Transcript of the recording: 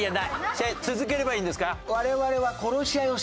試合続ければいいんですか？